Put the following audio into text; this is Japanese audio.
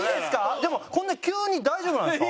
でもこんな急に大丈夫なんですか？